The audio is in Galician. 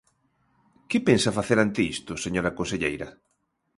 ¿Que pensa facer ante isto, señora conselleira?